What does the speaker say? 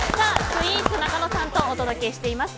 スイーツなかのさんとお届けしています。